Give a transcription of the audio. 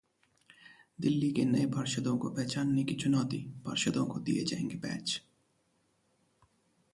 दिल्ली के नए पार्षदों को पहचानने की चुनौती, पार्षदों को दिए जाएंगे बैच